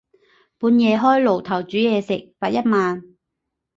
半夜開爐頭煮嘢食，罰一萬